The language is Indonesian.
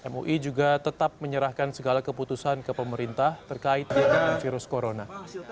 mui juga tetap menyerahkan segala keputusan ke pemerintah terkait dengan virus corona